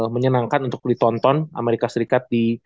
menyenangkan untuk ditonton amerika serikat di